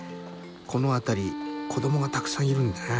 この辺り子どもがたくさんいるんだな。